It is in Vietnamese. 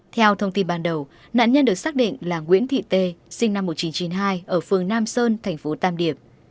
theo thông tin ban đầu nạn nhân được xác định là nguyễn thị tê sinh năm một nghìn chín trăm chín mươi hai ở phường nam sơn thành phố tam điệp